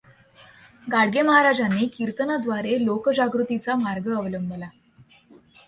गाडगे महाराजांनी कीर्तनांद्वारे लोकजागृतीचा मार्ग अवलंबला.